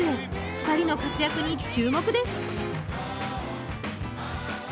２人の活躍に注目です。